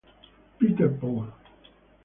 Peter Paul